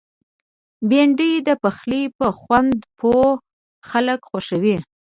بېنډۍ د پخلي په خوند پوه خلک خوښوي